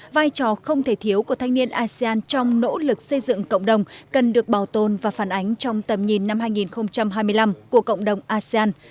vai trò không thể thiếu của thanh niên asean trong nỗ lực xây dựng cộng đồng cần được bảo tồn và phản ánh trong tầm nhìn năm hai nghìn hai mươi năm của cộng đồng asean